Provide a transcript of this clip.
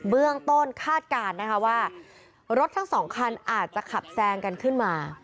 เบื้องต้นคาดการณ์นะคะว่ารถทั้งสองคันอาจจะขับแซงกันขึ้นมา